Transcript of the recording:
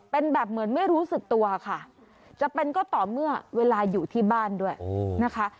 เป็นแบบเหมือนไม่รู้สึกตัวค่ะจะเป็นก็ต่อเมื่อเวลาอยู่ที่บ้านด้วยนะคะ